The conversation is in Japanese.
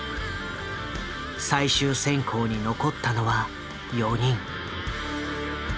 最終選考に残ったのは４人。